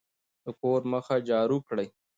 د کور مخه جارو کړئ.